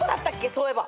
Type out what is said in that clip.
そういえば。